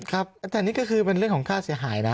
ครับแต่นี่ก็คือเป็นเรื่องของค่าเสียหายนะ